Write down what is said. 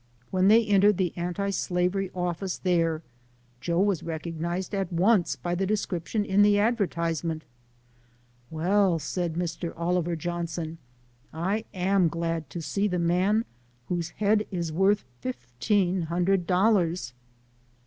When they entered the anti slavery office there, Joe was recognized at once by the description in the advertisement. "Well," said Mr. Oliver Johnson, "I am glad to 32 SOME SCENES IN THE see the man whose head is worth fifteen hundred dollars."